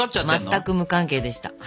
全く無関係でした。